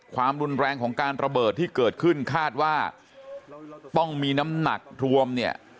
ความรุนแรงของการระเบิดที่เกิดขึ้นคาดว่าต้องมีน้ำหนักรวมเนี่ย